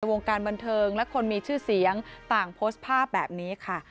วงการบันเทิงและคนมีชื่อเสียงต่างโพสต์ภาพแบบนี้ค่ะ